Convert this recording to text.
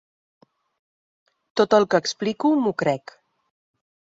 Tot el que explico, m’ho crec.